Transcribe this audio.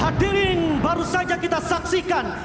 hadirin baru saja kita saksikan